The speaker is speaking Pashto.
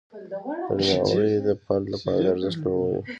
درناوی د فرد لپاره د ارزښت لوړوي.